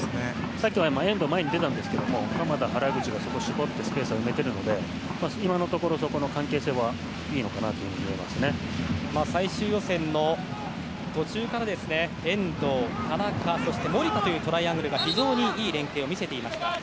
さっきも前に遠藤が出たんですが鎌田と原口が絞ってスペースを埋めているので今のところ、そこの関係性は最終予選の途中から遠藤、田中そして守田というトライアングルが非常にいい連係を見せました。